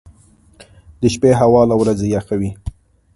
• د شپې هوا له ورځې یخه وي.